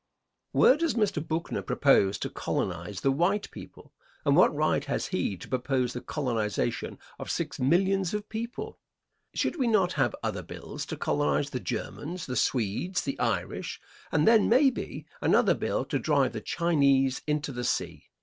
Where does Mr. Buckner propose to colonize the white people, and what right has he to propose the colonization of six millions of people? Should we not have other bills to colonize the Germans, the Swedes, the Irish, and then, may be, another bill to drive the Chinese into the sea?